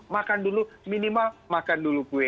makan dulu minimal makan dulu kue